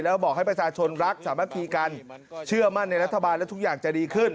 แล้วบอกให้ประชาชนรักสามัคคีกันเชื่อมั่นในรัฐบาลและทุกอย่างจะดีขึ้น